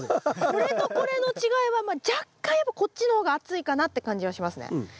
これとこれの違いはまあ若干やっぱこっちの方が厚いかなって感じはしますね。